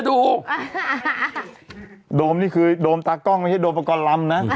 ดมนี่คือดมตากล้องไม่จากดมประกอบรัมนะ